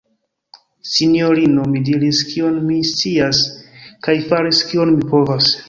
sinjorino, mi diris, kion mi scias, kaj faris, kion mi povas!